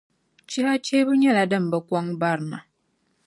Chiha chihibu nyɛla dim bi kɔŋ barina.